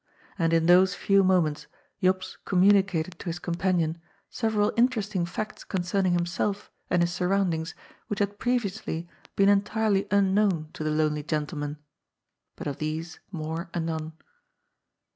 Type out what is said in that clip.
And in those few moments Jops communicated to his com panion several interesting facts concerning himself and his surroundings which had previously been entirely unknown to the lonely gentleman. But of these more anon.